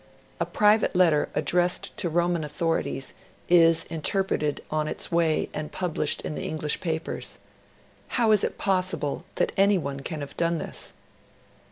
'A private letter, addressed to Roman Authorities, is interpreted on its way and published in the English papers. How is it possible that anyone can have done this?'